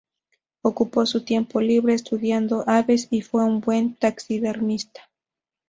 Ocupó su tiempo libre estudiando aves y fue un buen taxidermista.